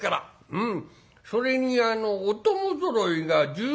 「うんそれにあのお供ぞろいが１０人ほど」。